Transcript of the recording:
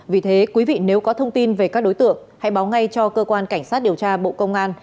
vì thế quý vị nếu có thông tin về các đối tượng hãy báo ngay cho cơ quan cảnh sát điều tra bộ công an